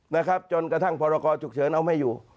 นะครับจนกระทั่งพรกรฉุกเฉินเอาไม่อยู่